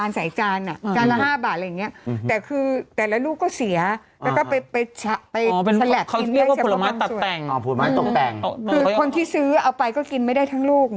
ร้านแรก๑๖๐บาทพอเขียบไป๑๕๐บาท